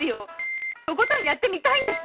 トコトンやってみたいんです！